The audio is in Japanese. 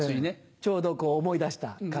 ちょうど思い出した感じ。